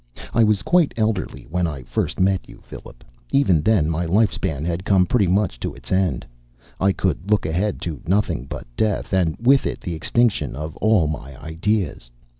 I was quite elderly when I first met you, Philip. Even then my life span had come pretty much to its end. I could look ahead to nothing but death, and with it the extinction of all my ideas.